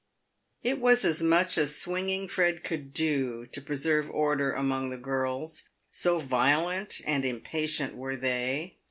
It was as much as Swinging Fred could do to preserve order among the girls, so violent and impatient were they.